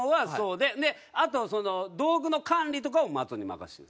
であと道具の管理とかを松尾に任せてる。